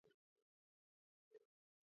მრავალი სახეობა პარაზიტია.